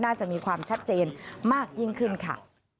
น่าจะมีความชัดเจนมากยิ่งขึ้นค่ะ